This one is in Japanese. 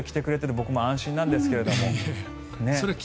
僕も安心なんですけど。